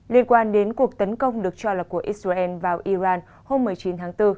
liên quan đến cuộc tấn công được cho là của israel vào iran hôm một mươi chín tháng bốn